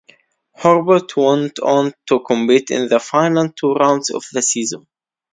Herbert went on to compete in the final two rounds of the season.